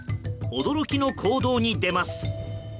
驚きの行動に出ます。